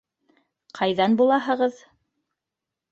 Ҡайҙан булаһығыҙ?